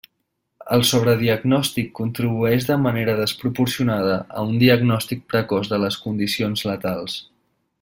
El sobrediagnòstic contribueix de manera desproporcionada a un diagnòstic precoç de les condicions letals.